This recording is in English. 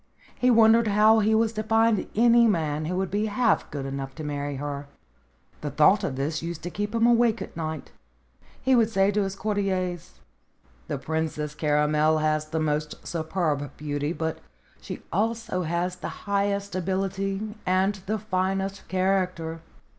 He wondered how he was to find any man who would be half good enough to marry her. The thought of this used to keep him awake at night. He would say to his courtiers : "The Princess Caramel has the most superb beauty, but she also has the highest ability and the finest character."